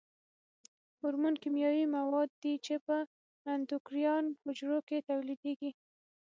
هورمون کیمیاوي مواد دي چې په اندوکراین حجرو کې تولیدیږي.